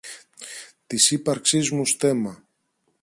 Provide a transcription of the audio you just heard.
της ύπαρξής μου στέμμα